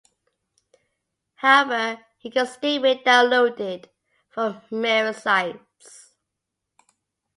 However, it can still be downloaded from mirror sites.